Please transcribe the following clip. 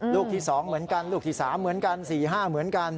ลูกที่สองเหมือนกันลูกที่สามเหมือนกันสี่ห้าเหมือนกัน